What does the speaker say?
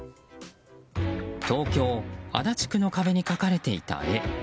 東京・足立区の壁に絵が描かれていた絵。